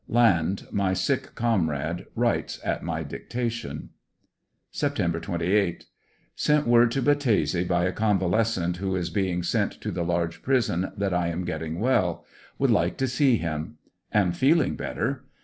Land, my sick comrade, writes at my dictation. Sept 28 — JSent word to Battese by a convalescent who is being sent to the large prison, that I am getting well. Would like to see him. Am feeling better.